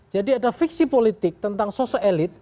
jadi ada fiksi politik tentang sosialit